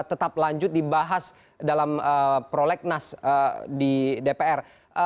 tetap lanjut dibahas dalam prolegnas di dpr